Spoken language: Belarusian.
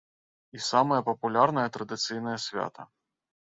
І самае папулярнае традыцыйнае свята.